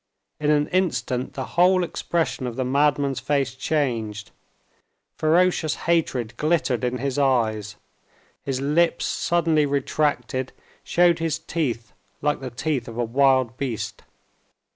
In an instant the whole expression of the madman's face changed. Ferocious hatred glittered in his eyes; his lips, suddenly retracted, showed his teeth like the teeth of a wild beast.